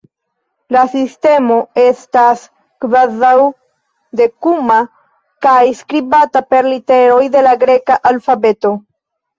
La sistemo estas kvazaŭ-dekuma kaj skribata per literoj de la greka alfabeto.